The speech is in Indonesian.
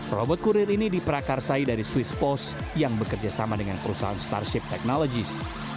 robot kurir ini diperakarsai dari swiss post yang bekerjasama dengan perusahaan starship technologies